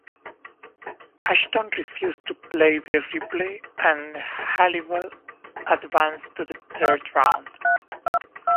Ashton refused to play the replay and Halliwell advanced to the third round.